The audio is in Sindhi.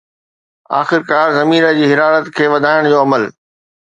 آخرڪار، زمين جي حرارت کي وڌائڻ جو عمل